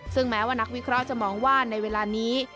ซึ่งแม้ว่านักวิเคราะห์จะมองว่าในเวลานี้